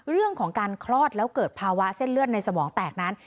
เรื่องของการคลอดแล้วเกิดภาวะเส้นเลือดในสมองแตกนั้น